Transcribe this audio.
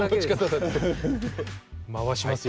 回しますよ。